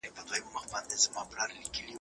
په حجره کي چوپتیا نه وي.